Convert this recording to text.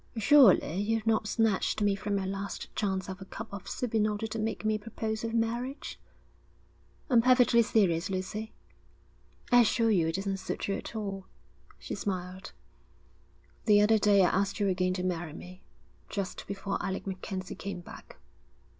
'Surely you've not snatched me from my last chance of a cup of soup in order to make me a proposal of marriage?' 'I'm perfectly serious, Lucy.' 'I assure you it doesn't suit you at all,' she smiled. 'The other day I asked you again to marry me, just before Alec MacKenzie came back.'